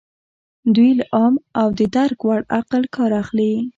دوی له عام او د درک وړ عقل کار اخلي.